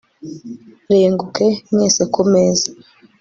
renguke mwese ku meza